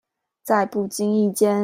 在不經意間